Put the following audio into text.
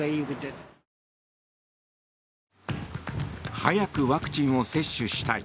早くワクチンを接種したい。